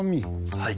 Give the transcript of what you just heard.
はい。